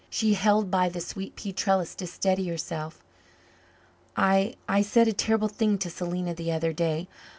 She held by the sweet pea trellis to steady herself. "I I said a terrible thing to Selena the other day.